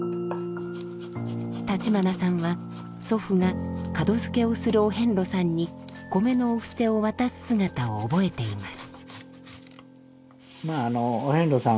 橘さんは祖父が門づけをするお遍路さんにコメのお布施を渡す姿を覚えています。